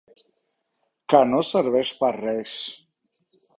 Que no serveix per res.